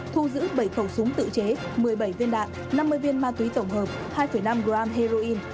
thu giữ bảy khẩu súng tự chế một mươi bảy viên đạn năm mươi viên ma túy tổng hợp hai năm g heroin